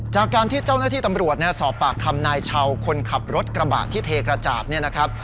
จากการที่เจ้าหน้าที่ตำรวจสอบปากคำนายชาวคนขับรถกระบะที่เทกระจาดเนี่ยนะครับ